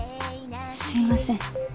すいません。